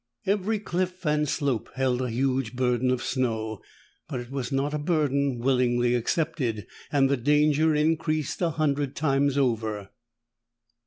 Every cliff and slope held a huge burden of snow, but it was not a burden willingly accepted. And the danger increased a hundred times over.